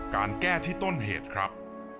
การแก้ที่ต้นเหตุครับ